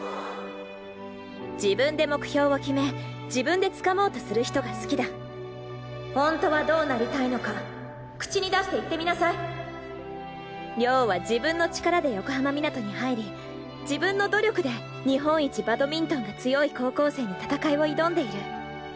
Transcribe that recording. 自分で目標を決め自分でつかもうとする人が好きだホントはどうなりたいのか口に出して言っ亮は自分の力で横浜湊に入り自分の努力で日本一バドミントンが強い高校生に戦いを挑んでいる。